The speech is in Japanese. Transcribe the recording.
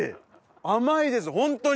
甘いですホントに！